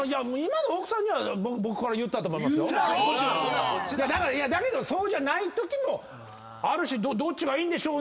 せやろ⁉だけどそうじゃないときもあるしどっちがいいんでしょうねって。